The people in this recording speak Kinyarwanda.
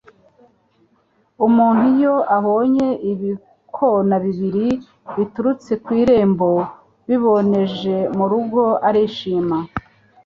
Umuntu iyo abonye ibikona bibiri biturutse ku irembo biboneje mu rugo, arishima